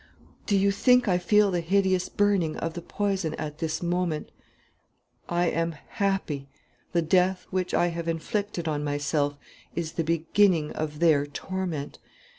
Do you think I feel the hideous burning of the poison at this moment? "I am happy. The death which I have inflicted on myself is the beginning of their torment.